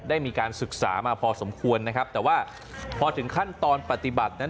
ได้มีการศึกษามาพอสมควรนะครับแต่ว่าพอถึงขั้นตอนปฏิบัตินั้น